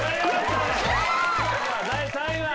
第３位は？